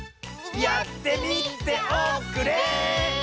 やってみておくれ！